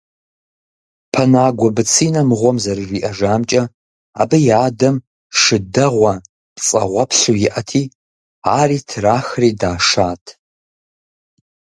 Пэнагуэ Быцинэ мыгъуэм зэрыжиӏэжамкӏэ, абы и адэм шы дэгъуэ пцӏэгъуэплъу иӏэти, ари трахри дашат.